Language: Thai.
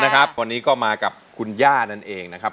วันนี้ก็มากับคุณย่านั่นเองนะครับ